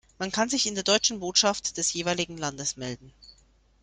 Man kann sich in der deutschen Botschaft des jeweiligen Landes melden.